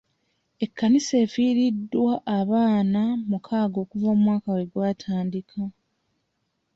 Ekkanisa effiriddwa abaana mukaaga okuva omwaka we gwatandika.